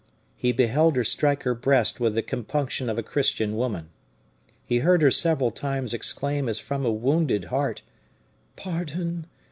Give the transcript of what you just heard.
He beheld her strike her breast with the compunction of a Christian woman. He heard her several times exclaim as from a wounded heart: "Pardon!